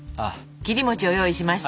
切り餅を用意しました。